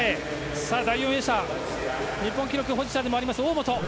第４泳者日本記録保持者でもある大本。